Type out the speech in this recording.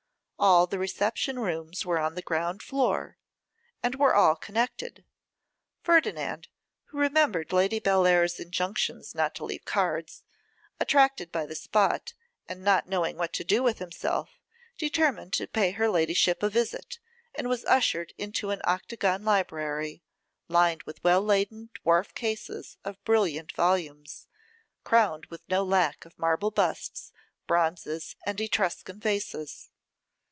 All the reception rooms were on the ground floor, and were all connected. Ferdinand, who remembered Lady Bellair's injunctions not to leave cards, attracted by the spot, and not knowing what to do with himself, determined to pay her ladyship a visit, and was ushered into an octagon library, lined with well laden dwarf cases of brilliant volumes, crowned with no lack of marble busts, bronzes, and Etruscan vases.